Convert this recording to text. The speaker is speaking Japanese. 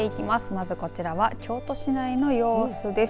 まずこちらは京都市内の様子です。